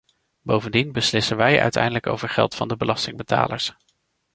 Bovendien beslissen wij uiteindelijk over geld van de belastingbetalers.